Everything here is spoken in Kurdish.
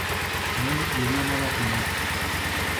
Me bêriya mala xwe nekir.